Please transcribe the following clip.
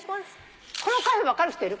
このカフェ分かる人いるかな？